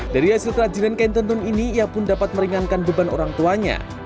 dari hasil kerajinan kain tenun ini ia pun dapat meringankan beban orang tuanya